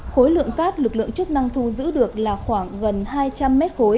khối lượng cát lực lượng chức năng thu giữ được là khoảng gần hai trăm linh m khối